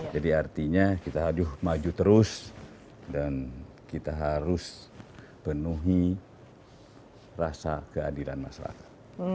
jadi artinya kita maju terus dan kita harus penuhi rasa keadilan masyarakat